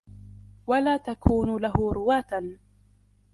وَلَا تَكُونُوا لَهُ رُوَاةً